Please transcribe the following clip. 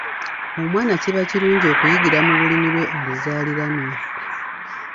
Omwana kiba kirungi okuyigira mu Lulimi lwe oluzaaliranwa.